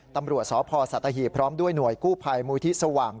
ตำรวจสพสัตหีบพร้อมด้วยหน่วยกู้ภัยมูลที่สว่าง